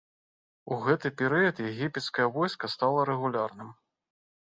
У гэты перыяд егіпецкае войска стала рэгулярным.